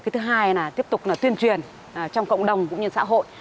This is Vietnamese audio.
thứ hai là tiếp tục tuyên truyền trong cộng đồng cũng như xã hội